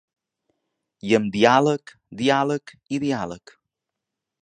I amb diàleg, diàleg i diàleg.